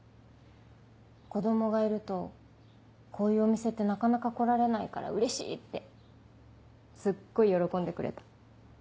子供がいるとこういうお店ってなかなか来られないからうれしい！ってすっごい喜んでくれた。